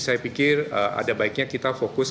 saya pikir ada baiknya kita fokus